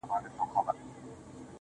د طبيعت دې نندارې ته ډېر حيران هم يم.